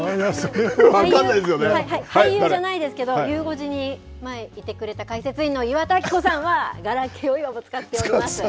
はい、俳優じゃないですけど、ゆう５時に前いてくれた、解説委員の岩田明子さんは、ガラケーを今も使っております。